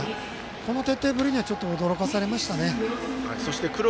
この徹底ぶりには驚かされました。